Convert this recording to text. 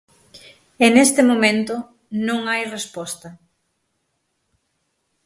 E neste momento non hai resposta.